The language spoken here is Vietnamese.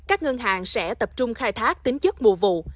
các ngân hàng sẽ tập trung khai thác tính chất mùa vụ